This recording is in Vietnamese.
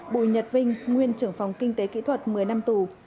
bùi nhật vinh nguyên trưởng phòng kinh tế kỹ thuật một mươi năm tù